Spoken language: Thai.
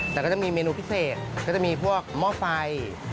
แต่ก็จะมีเมนูพิเศษก็จะมีพวกหม้อไฟ